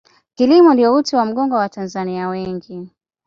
kilimo ndiyo uti wa mgongo wa watanzania wengi